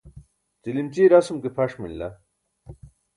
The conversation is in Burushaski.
ćilimćiye rasum ke pʰaṣ manila